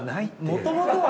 もともとは。